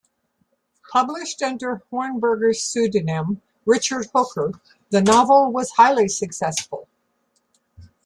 Published under Hornberger's pseudonym, Richard Hooker, the novel was highly successful.